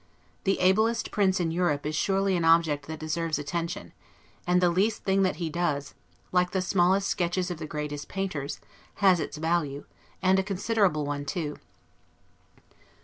THE ABLEST PRINCE IN EUROPE is surely an object that deserves attention; and the least thing that he does, like the smallest sketches of the greatest painters, has its value, and a considerable one too.